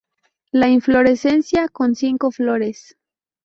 La inflorescencia con cinco flores.